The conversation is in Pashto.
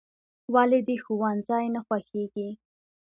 "ولې دې ښوونځی نه خوښېږي؟"